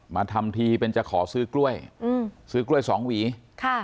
ทำทีเป็นจะขอซื้อกล้วยอืมซื้อกล้วยสองหวีค่ะ